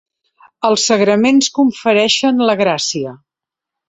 Els sagraments confereixen la gràcia.